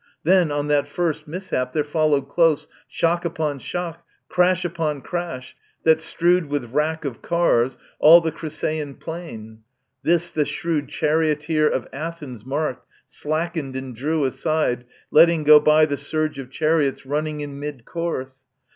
Then on that first mishap there followed close Shock upon shock, crash upon crash, that strewed With wrack of cars all the Crisaean plain. This the shrewd charioteer of Athens marked, Slackened and drew aside, letting go by The surge of chariots running in mid course.